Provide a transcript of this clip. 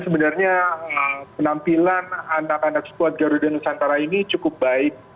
sebenarnya penampilan anak anak skuad garuda nusantara ini cukup baik